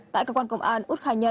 tại cơ quan công an út khai nhận